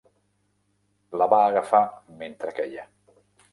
La va agafar mentre queia.